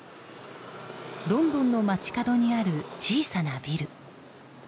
ロンドンの街角にある小さなビル。